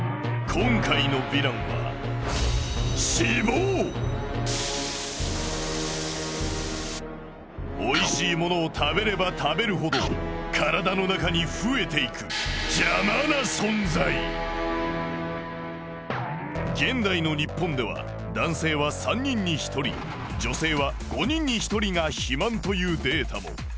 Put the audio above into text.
今回のヴィランはおいしいものを食べれば食べるほど体の中に増えていく現代の日本ではが肥満というデータも。